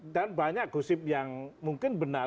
banyak gosip yang mungkin benar